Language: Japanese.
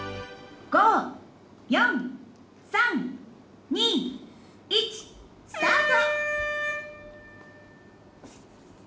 「５４３２１スタート！」。